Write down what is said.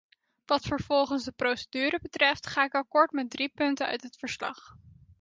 Wat vervolgens de procedure betreft ga ik akkoord met drie punten uit het verslag.